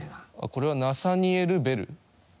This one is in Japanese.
これはナサニエル・ベル。